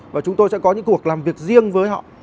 và chúng tôi sẽ có những cuộc làm việc riêng với họ